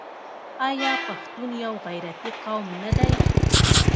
آیا پښتون یو غیرتي قوم نه دی؟